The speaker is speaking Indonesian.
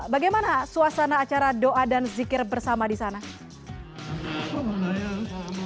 bagaimana suasana acara doa dan zikir bersama di sana